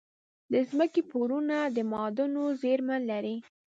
د ځمکې پوړونه د معادنو زیرمه لري.